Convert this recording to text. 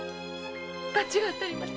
罰が当たります。